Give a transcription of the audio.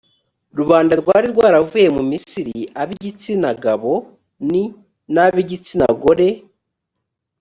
rubanda rwari rwaravuye mu misiri, ab’igitsinagaboni nab’igitsinagore,